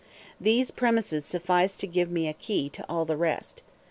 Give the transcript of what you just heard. These premises suffice to give me a key to all the rest.